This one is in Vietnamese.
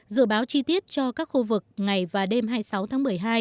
dự báo chi tiết cho các khu vực ngày và đêm hai mươi sáu tháng một mươi hai